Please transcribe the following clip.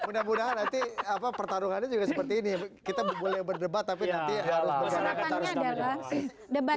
mudah mudahan nanti pertarungannya juga seperti ini kita boleh berdebat tapi nanti harus bersama sama